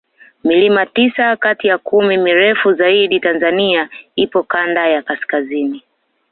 milima tisa Kati ya kumi mirefu zaidi tanzania ipo Kanda ya kaskazini